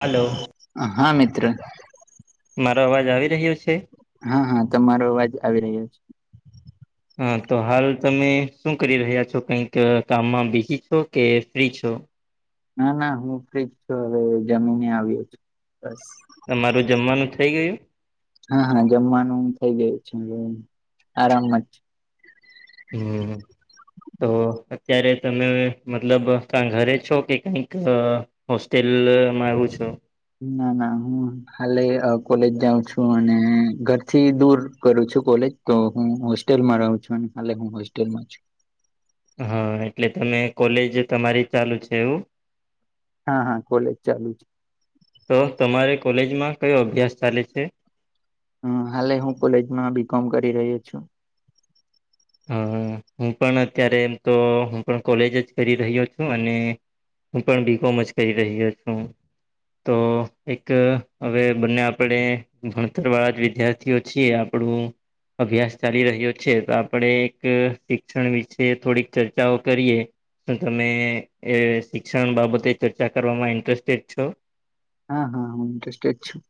Hello. હા, હા મિત્ર મારો અવાજ આવી રહ્યો છે? હા હા તમારો અવાજ આવી રહ્યો છે. હા તો હાલ તમે શું કરી રહ્યા છો કઈક કામમાં બિઝી છો કે ફ્રી છો? ના ના હું ફ્રીજ છું હવે જમીને આવ્યો છું બસ. તમારું જમવાનું થઈ ગયું? હા હા જમવાનું થઈ ગયું છે આરામમાં જ હમ્મ અમ્મ. તો અત્યારે તમે મતલબ ઘરે છો કે કંઈક અહ હોસ્ટેલમાં આવું છો? ના ના હું હાલે અહ કોલેજ જાઉં છું અને ઘરથી દૂર કરું છું કોલેજ. તો હું હોસ્ટેલમાં રહું છું અને ખાલે હું હોસ્ટેલમાં છું. હા એટલે તમે કોલેજ તમારી ચાલુ છે એવું? હા હા કોલેજ ચાલુ છે. તો તમારે કોલેજમાં કયો અભ્યાસ ચાલે છે? હ હાલે હું કોલેજમાં બી કોમ કરી રહ્યો છું. હ હું પણ અત્યારે એમ તો હું પણ કોલેજ જ કરી રહ્યો છું અને હું પણ બી કોમ જ કહી રહ્યો છું. તો એક હવે બંને આપડે ભણતર વાળા જ વિધા આપણો અભ્યાસ ચાલી રહ્યો છે તો આપડે એક શિક્ષણ વિશે થોડીક ચર્ચાઓ કરીએ. તો તમે એ શિક્ષણ બાબતે ચર્ચા કરવામાં ઇન્ટરેસ્ટેડ છો? હા હા હું ઈન્ટરેસેડ છું.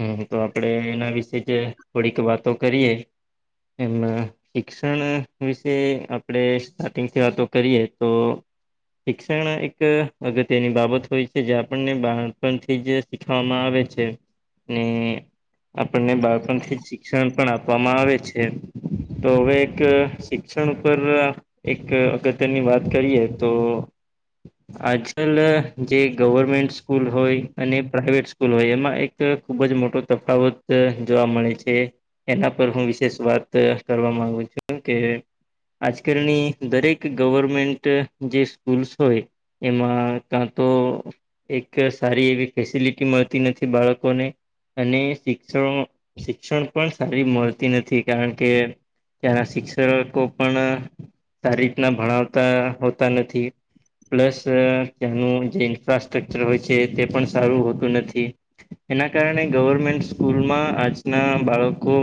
હમ તો આપડે એના વિશે જે થોડીક વાતો કરીએ એમ શિક્ષણ વિશે આપણેે સ્ટાર્ટિંગથી વાતો કરીએ તો શિક્ષણ એક અગત્યની બાબત હોય છે જે આપણને બાળપણથી જ શીખવામાં આવે છે ને આપણને બાળપણથી શિક્ષણ પણ આપવામાં આવે છે. તો હવે એક શિક્ષણ ઉપર એક અગત્યની વાત કરીએ તો આજકાલ જે ગવર્મેન્ટ સ્કૂલ હોય અને પ્રાઈવેટ સ્કૂલ હોય એમાં એક ખુબ જ મોટો તફાવત જોવા મળે છે. એના પર હું વિશેષ વાત કરવા મામાંગુ છું કે આજકાલની દરેક ગવર્મેન્ટ જે સ્કૂલ્સ હોય એમાં કાં તો એક સારી એવી ફેસિલિટી મળતી નથી બાળક ને અને શિક્ષણ શિક્ષણ પણ સારી મળતી નથી કારણ કે ત્યાંના શિક્ષકો પણ સારી રીતના ભણાવતા હોતા નથી. પ્લસ તેનું જે ઇન્ફ્રાસ્ટ્રક્ચર હોય છે તે પણ સારું હોતું નથી. એના કારણે ગવર્મેન્ટ સ્કૂલમાં આજના બાળકો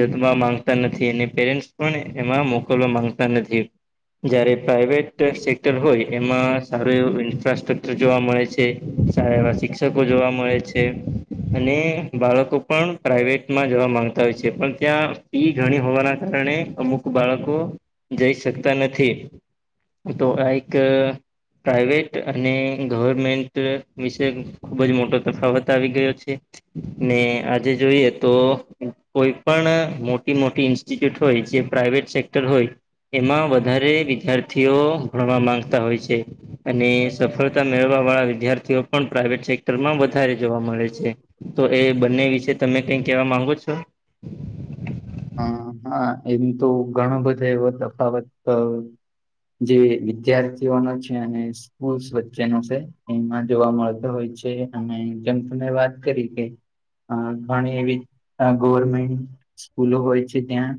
જતવા માંગતા નથી પેરે પણ એમાં મોકલવા માંગતા નથી. જયારે પ્રાઈવેટ સેક્ટર હોય એમાં સારું એવું ઇન્ફ્રાસ્ટ્રકચર જોવા મળે છે. સારા એવા શિક્ષકો જોવા મળે છે. અને બાળકો પણ પ્રઇવેટમાં જવા માંગતા હોય છે પણ ત્યાં ફી ઘણી હોવાના કારણે અમુક બાળકો જઈ શકતા નથી તો આ એક પ્રાઇવેટ અને ગવર્મેન્ટ વિશે ખૂબ જ મોટો તફાવત આવી ગયો છે. ને આજે જોઈએ તો કોઈ પણ મોટી મોટી ઇ ઇ્યુટ હોય જે પ્રાઇવેટ સેક્ટર હોય એમાં વધારે વિદ્યાર્થીઓ ભણવા માંગતા હોય છે. અને સફળતા મેળવા વાળા વિદ્યાર્થીઓ પણ પ્રાઈવેટ સેક્ટર માં વધારે જોવા મળે છે તો એ બંને વિશે તમે કઈ કેવા માંગો છો? હ હા એમ તો ઘણો બધો એો તફાવત જે વિદ્યાર્થીઓ ન છે અને સ્કૂલ્સ વચ્ચેનો છે. એમાં જોવા મળતો હોય છે અને જેમ તને વાત કરી કે અ ઘણી એવી ગવર્મેન્ટ સ્કૂલો હોય છે ત્યાં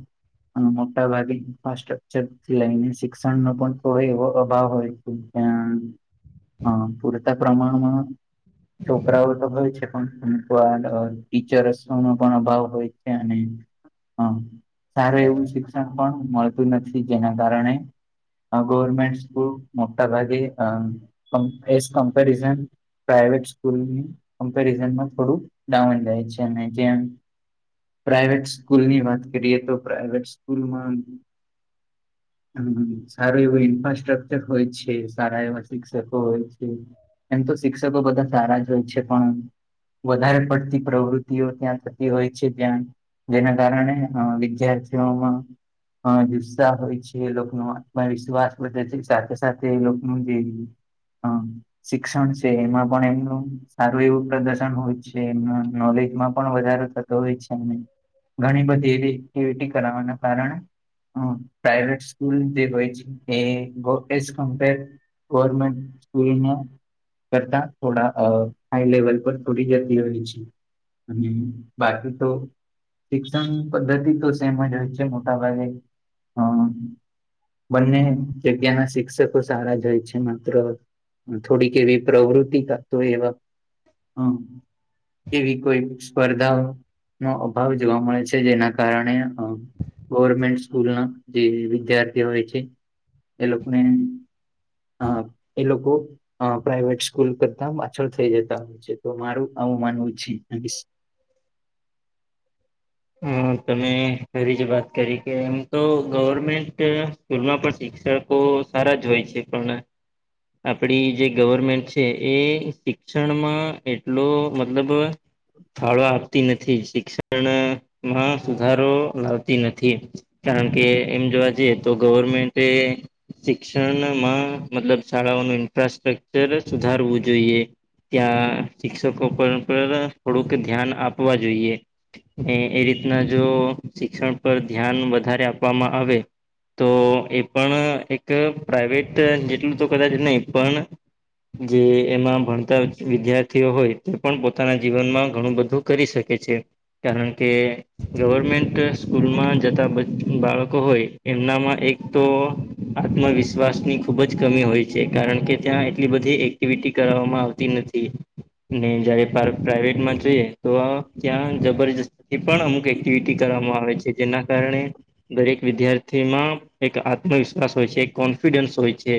અને મોટા ભાગે ઇન્ફ્રાસ્ટ્રકચરથી લઈને શિક્ષણ નો પણ કોય એવો અભાવ હોય. પ્યા હ પૂરતા પ્રમાણમાં છોકરાઓ તો હોય છે પણ અમક ટીચર્સ નો પણ અભાવ હોય છે અને હમ સારું એવું શિક્ષણ પણ મળતું નથી જેના કારણે ગર્મેન્ટ મોટા ભાગેપન પ્રવેટ સ્કૂલમ્પેરઝનમાં થોડું ડાઉન જાય છે જેમ પ્રાઇવેટ સ્કૂલની વાત કરીએ તો પ્રાઇવેટ સ્કૂલમાં [inaudible] હમ સારું એવું ઇન્ફ્રાસ્ટ્રક્ચર હોય છે સારા એવા શિક્ષકો હોય છે. એમ તો શિક્ષકો બધા સારા જ હોય છે પણ વધારે પડતી પ્રવૃતિઓ ત્યાં થતી હોય છે ધ્યાન જેના કારણે અ વિદ્યાર્થીઓમાં અ જુસ્સાહ હોય છે લોકોનો આત્મવિશ્વાસ પણ છે સાથે સાથે લોકોનુંભી [unintelligible] શિક્ષણ છે એમાં પણ એમનું સારું એવું પ્રદર્શન હોય છે એમ નોલેજમાં પણ વધારો થતો છે ઘણી બધી એવી એક્ટિવિટી કરવાના કારણે હ પ્રાઈટ સ્કૂલ જે હોય છે એ એ કમપર ગવર્મેન્ટ સ્કૂલને કરતા થોડા હાઈ લેવલ પર થોડી જર્દી હોએ છેી. અને બાકી તો શિક્ષણ પદ્ધતિ તો સેમ જ હોય છે મોટાભાગે. હઅ બંને જગ્યા ના શિક્ષકો સારા જાય છે માત્ર થોડીક એવી પ્રવૃત્તિ કરતો એવ હઅ એવી કોઈ સ્પર્ધા નો અભાવ જોવા મળે છે જેના કારણે અ ગોવર્મેન્ટ સ્કૂલના જે વિદ્યાર્થી હોય છે એ લોકને હા એ લોકો હઅ પ્રાઈવેટ સ્કૂલ કરતા પાછળ થઈ જતા હોય છે તો મારું આવું માનવું છી [unintelligible] હમ્મ, તમે ખરી જ વાત કરી કે એમ તો ગવર્મેન્ટ સ્કૂલમાં પણ શિક્ષકો સારા જ હોય છે પણ આપડી જે ગોવર્મેન્ટ છે એ શિક્ષણમાં એટલો મતલબ ફાળો આપતી નથી. શિક્ષણમાં સુધારો લાવતી નથી. કારણ કે એમ જોવા જઈએ તો ગવર્મેન્ટે શિક્ષણમાં મતલબ શાળાઓનું ઇન્ફ્રાસ્ટ્રક્ચર સુધારવું જોઈએ. ત્યાં શિક્ષકો પર પણ થોડુંક ધ્યાન આપવા જોઈએ. એ એ રીતના જો શિક્ષણ પર ધ્યાન વધારે આપવામાં આવે તો એ પણ એક પ્રઇવેટ જેટલું તો કદાચ નહિ પણ જે એમાં ભણતા વિદ્યાર્થીઓ હોય તે પણ પોતાના જીવનમાં ઘણું બધું કરી શકે છે કારણ કે ગવર્મેન્ટ સ્કૂલમાં જતા બચ બાળકો હોય એમનામાં એક તો આત્મવિશ્વાસ ની ખુબ જ કમી હોય છે કારણ કે ત્યાં એટલી બધી એક્ટિવિટી કરાવવામાં આવતી નથી ને જ્યારે પાર પ્રાઇવેટ માં જ ઈએ તો આ ત્યાં જબરજસ્તીથી પણ અમુક એક્ટિવિટી કરવામાં આવે છે જેના કારણે દરેક વિદ્યાર્થીમાં એક આત્મવિશ્વાસ હોય છે એક કોન્ફિડન્સ હોય છે.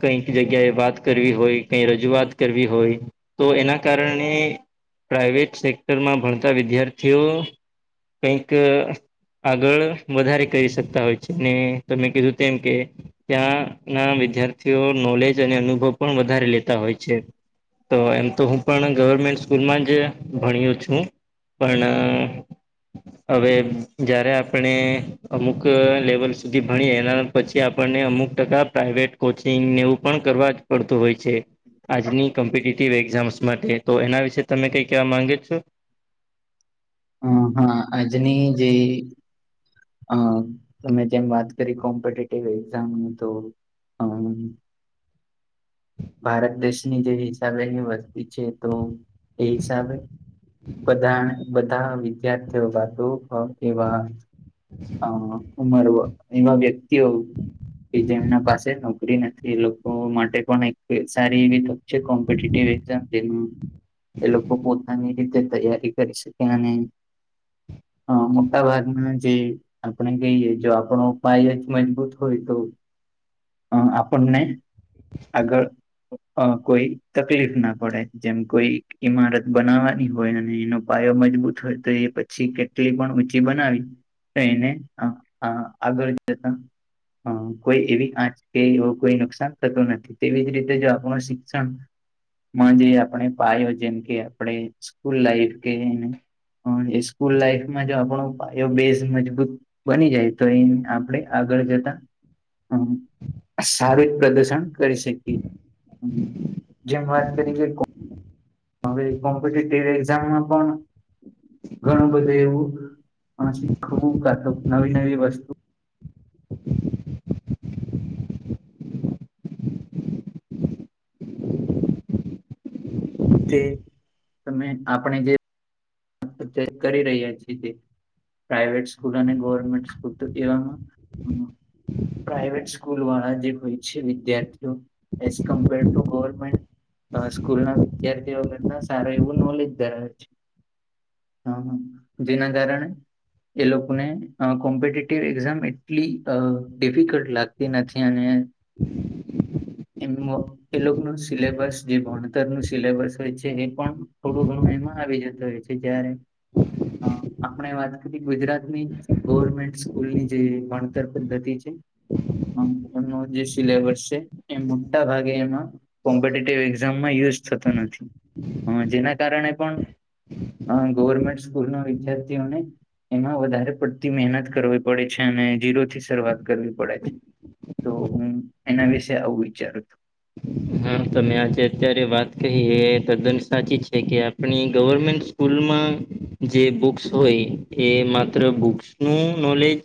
કઈક જગ્યા એ વાત કરવી હોય, કઈ રજૂઆત કરવી હોય તો એના કારણે પ્રાાઈવેટ સેક્ટરમાં ભણતા વિદ્યાર્થીઓ કઈક આગળ વધારે કરી શકતા હોય છે ને તમે કીધું તેમ કે ત્યાં ના વિદ્યાર્ થીઓ તેઓ નોલેજ અને અનુભવ પણ વધારે લેતા હોય છે તો એમ તો હું પણ ગવર્મેન્ટ સ્કૂલમાં જ ભણ્યો છું પણ અ હવે જ્યારે આપણે અમુક લેવલ સુધી ભણીએ એના પછી આપણને અમુક ટકા પ્રાઇવેટ કોચિંગને એવું પણ કરવા જ પડતું હોય છે. આજની કમ્પિટીટિવ એક્ઝામ્સ માટે તો એના વિશે તમે કઈ કેવા માંગે છો? હમ હા આજની જે અ તમે જેમ વાત કરી કોમ્પિટેટિવ એક્ઝામ ની તો હમ્મ. ભારત દેશની જે હિસાબે એની વસ્તી છે તો એ હિસાબે બધા બધા વિદ્યાર્થીઓ જાગૃત થાય એવા હઅ ઉમર વ એવા વ્યક્તિઓ કે જેમના પાસે નોકરી નથી એ લોકો માટે પણ એક સારી એવી જે કોમ્પિટિવ એકઝામ જેનું એ લોકો પોતાની રીતે તૈયારી કરી શ કે અને અ મોટા ભાગના જે આપણે કહીએ જો આપણો પાયો જ મજબૂત હોય તો હ આપણને આગળ અ કોઈ તકલીફ ના પડે જેમ કોઈ ઈમારત બનાવાની હોય અને એનો પાયો મજબૂત હોય તો એ પછી કેટલી પણ ઊંચી બનાવી થઈને અ અ આગળ જતા અ કોઈ એવી આંચ કે એવું કોઈ નુકસાન થતું નથી તેવી જ રીતે તે જો આપણો શિક્ષણ માં જે આપણે પાયો જેમ કે આપણે સ્કૂલ લાઈફ કે એને હહ એ સ્કૂલ લાઈફમાં જ આપણો પાયોબેઝ મજબૂત બની જાય તો એમ આપડે આગળ જતા હમ હહ સારું જ પ્રદર્શન કરી શકીએ. હમ હમ જેમ વાત કરી કે કોમ હવે કોમ્પિટીટીવ એક્ઝામમાં પણ ઘણું બધું એવું પણ શીખવું કાં તો નવી નવી વસ્તુ. જે તમે આપણે જે તો ચેક કરી રહ્યા છી જે પ્રાઈવેટ સ્કૂલ અને ગવર્મેન્ટ સ્કૂલ તો એવામાં પ્રાઈવેટ સ્કૂલવાળા જે હોય છે વિદ્યાર્થીઓ એઝ કમ્પેર ટુ ગવર્મેન્ટ. અ સ્કૂલના વિદ્યાર્થીઓ કરતા સારું એવું નોલેજ ધરાવે છે. હહ હહ જેના કારણે એ લોકોને અ કોમ્પિટેટિવ એક્ઝામ એટલી અ ડિફિકલ્ટ લાગતી નથી અને [inaudible] [unintelligible] એ લોકનું સિલેબસ જે ભણતરનું સિલેબસ હોય છે એ પણ થોડું ઘણું એમાં આવી જતું હોય છે. કે જ્યારે અ આપણે વાત કરી ગુજરાતની ગવર્મેન્ટ સ્કૂલની જે ભણતર પદ્ધતિ છે. હહ એમનો જે સિલેબસ છે એ મોટા ભાગે એમાં કોમ્પિટેટિવ એક્ઝામમાં યુઝ થતો નથી. હહ જેના કારણે પણ અ ગવર્મેન્ટ સ્કૂલનાં વિદ્યાર્થીઓને એમાં વધારે પડતી મહેનત કરવી પડે છે. અને ઝીરોથી શરૂઆત કરવી પડે છે. તો હું એના વિશે આવું વિચારું છું. [unintelligible] હા તમે આજે અત્યારે વાત કહી એ તદ્દન સાચી છે કે આપણી ગવર્મેન્ટ સ્કૂલમાં જે બુક્સ હોય એ માત્ર બુક્સનું નોલેજ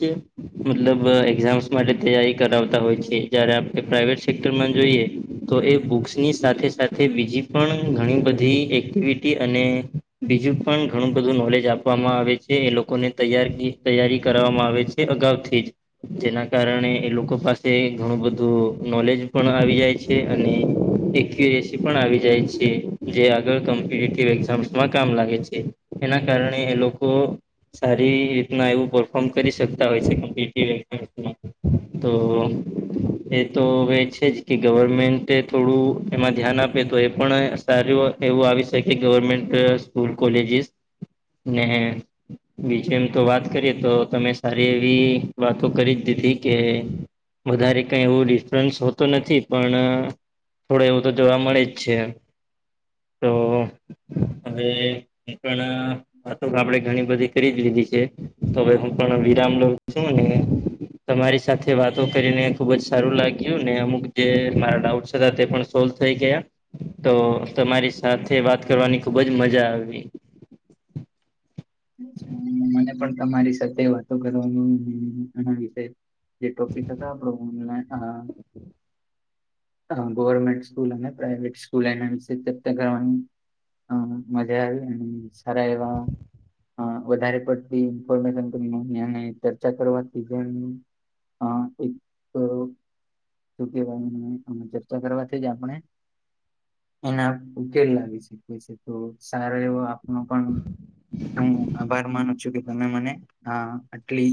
મતલબ એક્ઝામ્સ માટે તૈયારી કરાવતા હોય છે જયારે આપણે પ્રાઈવેટ સેક્ટરમાં જોઈએ. તો એ બુક્સની સાથે સાથે બીજી પણ ઘણી બધી એક્ટિવિટી અને બીજું પણ ઘણું બધું નોલેજ આપવામાં આવે છે એ લોકોને તૈયાર તૈયારી કરાવામાં આવે છે અગાઉથી જ. જેના કારણે એ લોકો પાસે ઘણું બધું નોલેજ પણ આવી જાય છ છે અને એકયુરેસી પણ આવી જાય છે. જે આગળ કોમ્પિટિટીવ એક્ઝામસમાં કામ લાગે છ છે. એના કારણે એ લોકો સારી રીતના એવું પરફોર્મ કરી શકતા હોય છે કોમ્પિટીટીવ એક્ઝામસમાં. તો એતો હવે છે જ કે ગવર્મેન્ટે થોડું એમાં ધ્યાન આપે તો એ પણ સારું એવું આવી શકે ગવર્મેન્ટ સ્કૂલ, કોલેજીસ ને બીજું એમ તો વાત કરીએ તો તમે સારી એવી વાતો કરી જ દીધી કે વધારે કાઈ એવું ડિફરન્સ હોતો નથી. પણ થોડું એવું તો જોવા મળે જ છે એમ. તો હવે એ પણ વાતોક આપણેે ઘણી બધી કરી જ લીધી છે તો હવે હું પણ વિરામ લઉ છું ને તમારી સાથે વાતો કરીને ખુબ જ સારું લાગ્યું ને અમુક જે મારા ડાઉન્ટ્સ હતા તે પણ સોલ્વ થઈ ગયા. તો તમારી સા સાથે વાત કરવાની ખુબ જ મજા આવી. મને પણ તમારી સાથે વાતો કરવાનું [unintelligible] આના વિશે જે ટોપીક હતો આપણો [unintelligible] હ ગવર્મેન્ટ સ્કૂલ અને પ્રાઈવેટ સ્કૂલ એના વિશે ચર્ચા કરવાની. હ મજા આવી આવી અને સારા એવા અહ વધારે પડતી ઇન્ફોર્મેશન ચર્ચા કરવાથી પણ હા એક તેઓ શુ કેવાય ચર્ચા કરવાથી જ આપણે એના ઉકેલ લાવી શકીએ તો સારો એવો આપનો પણ આમ હું આભાર માનું છું કે તમે મને આ આટલી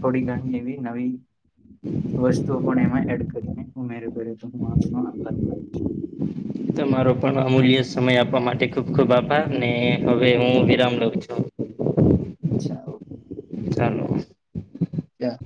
થોડી ઘણી એવી નવી વસ્તુઓ પણ એમાં એડ કરીને ઉમેર કર્યો હતો આભાર માનું છું. તમારો પણ અમૂલ્ય સમય આપવા માટે ખૂબ ખૂબ આભાર ને હવે હું વિરામ લઉં છું. છાઓ. ચાલો. યા